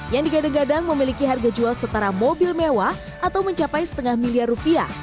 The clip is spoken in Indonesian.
yang digadang gadang memiliki harga jual setara mobil mewah atau mencapai setengah miliar rupiah